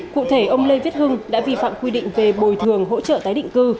cụ thể ông lê viết hưng đã vi phạm quy định về bồi thường hỗ trợ tái định cư